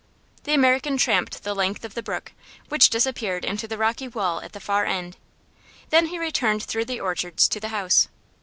The American tramped the length of the brook, which disappeared into the rocky wall at the far end. Then he returned through the orchards to the house.